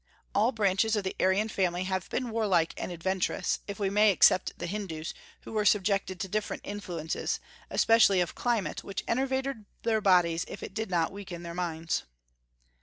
All branches of the Aryan family have been warlike and adventurous, if we may except the Hindus, who were subjected to different influences, especially of climate, which enervated their bodies if it did not weaken their minds.